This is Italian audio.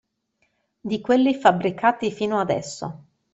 Di quelli fabbricati fino adesso.